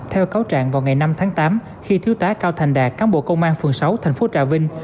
theo cáo trạng vào ngày năm tháng tám khi thiếu tá cao thành đà cán bộ công an phường sáu tp trà vinh